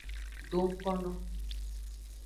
Do ngkono.